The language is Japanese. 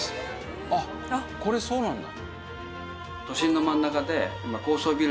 あっこれそうなんだ。